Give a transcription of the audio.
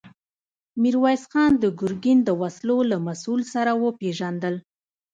ميرويس خان د ګرګين د وسلو له مسوول سره وپېژندل.